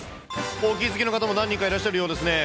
お気づきの方も何人かいらっしゃるようですね。